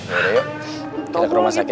yaudah yuk kita ke rumah sakit